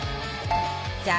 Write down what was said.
さあ